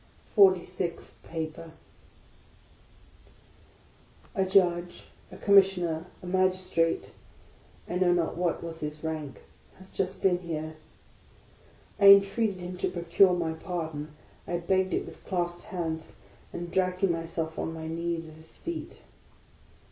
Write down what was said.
FORTY SIXTH PAPER A JUDGE, a Commissioner, a Magistrate, — I know not what was his rank, — has just been here. I mtreated him to procure my pardon; I begged it with clasped hands, and dragging myself on my knees at his feet.